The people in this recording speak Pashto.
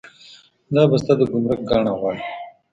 دا بسته د ګمرک ګڼه غواړي.